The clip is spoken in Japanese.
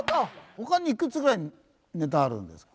他にいくつぐらいネタあるんですか？